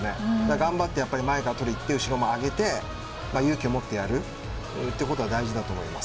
頑張って、やっぱり前から取りにいって後ろも上げて勇気をもってやるということは大事だと思います。